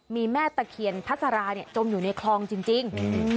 มีแม่ตะเคียนพัสราเนี่ยจมอยู่ในคลองจริง